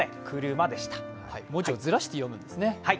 文字をずらして読むんですね。